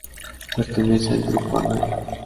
Pertenece al Grupo Anaya.